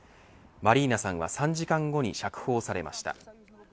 マリーナさんは３時間後に釈放されました。